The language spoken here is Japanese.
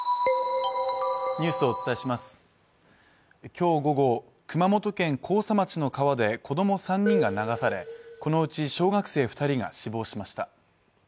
きょう午後熊本県甲佐町の川で子ども３人が流されこのうち小学生二人が死亡しました